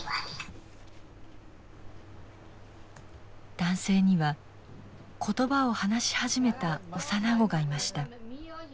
男性には言葉を話し始めた幼子がいました。